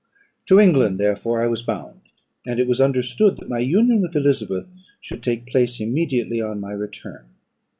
To England, therefore, I was bound, and it was understood that my union with Elizabeth should take place immediately on my return.